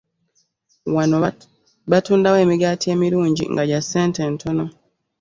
Wano batundawo emigaati emirungi nga gya ssente ntono.